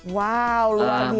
wow luar biasa